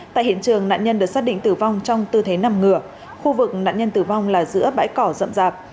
tại hiện trường nạn nhân được xác định tử vong trong tư thế nằm ngửa khu vực nạn nhân tử vong là giữa bãi cỏ rậm rạp